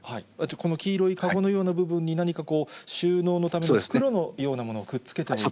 この黄色い籠のような部分に、何かこう、収納のための袋のようなものをくっつけている。